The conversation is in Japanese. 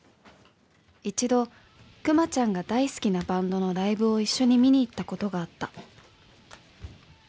一度、くまちゃんが大好きなバンドのライブを一緒に観に行ったことがあった」。